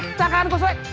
eh jangan kuswek